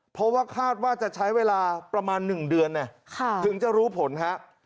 เพราะว่าคาดว่าจะใช้เวลาประมาณหนึ่งเดือนเนี่ยค่ะถึงจะรู้ผลฮะ